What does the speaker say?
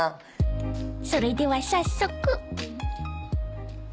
［それでは早速］